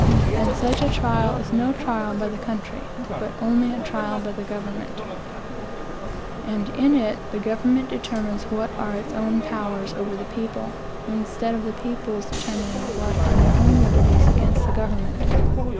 And such a trial is no trial by the country, but only a trial by the government; and in it the government determines what are its own powers over the people, instead of the people's determining what are their own liberties against the government.